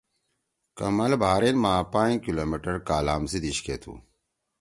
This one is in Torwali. کمل بحرین ما پائں کلومیٹر کالام سی دیِش کے تُھو۔